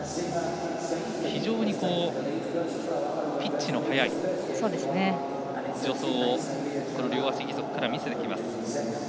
非常にピッチの速い助走を両足義足から見せてきます。